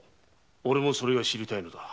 おれもそれが知りたいのだ。